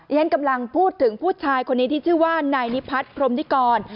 ฉันกำลังพูดถึงผู้ชายคนนี้ที่ชื่อว่านายนิพัฒนพรมนิกร